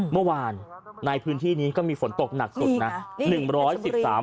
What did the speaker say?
เมื่อวานในพื้นที่นี้ก็มีฝนตกหนักสุดนะนี่ค่ะหนึ่งร้อยสิบสาม